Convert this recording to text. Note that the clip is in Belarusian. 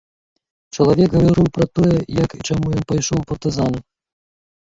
Чалавек гаварыў пра тое, як і чаму ён пайшоў у партызаны.